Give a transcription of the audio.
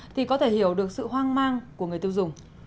thì có thể hiểu được sự hoang mang của người tiêu dùng